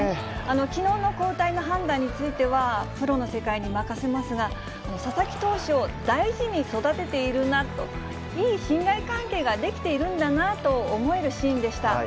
きのうの交代の判断についてはプロの世界に任せますが、佐々木投手を大事に育てているなと、いい信頼関係ができているんだなぁと思えるシーンでした。